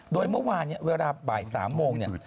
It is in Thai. โดยเมื่อวานเวลาบ่าย๓โมง